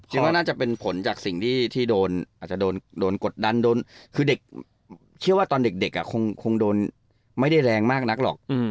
คิดว่าน่าจะเป็นผลจากสิ่งที่โดนกดดันคิดว่าตอนเด็กคงโดนไม่ได้แรงมากนักหรอก